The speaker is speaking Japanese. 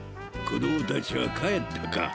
子どもたちは帰ったか。